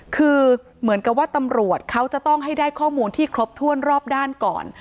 คือเหมือนกับว่าตำรวจเขาจะต้องให้ได้ข้อมูลที่ครบถ้วนรอบด้านก่อน